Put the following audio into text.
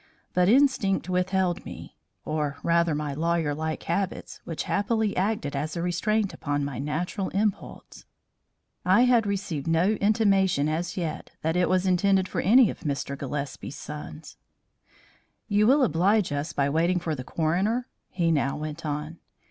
But instinct withheld me, or rather my lawyer like habits which happily acted as a restraint upon my natural impulse. I had received no intimation as yet that it was intended for any of Mr. Gillespie's sons. "You will oblige us by waiting for the coroner?" he now went on.